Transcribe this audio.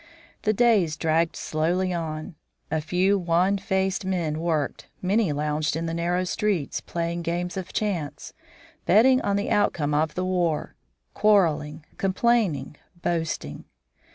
The days dragged slowly on. A few wan faced men worked, many lounged in the narrow streets, playing games of chance, betting on the outcome of the war, quarreling, complaining, boasting.